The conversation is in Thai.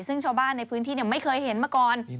ซึ่งชาวบ้านในพื้นที่ไม่เคยเห็นมาก่อน